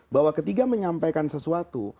bahwa ketiga menyampaikan sesuatu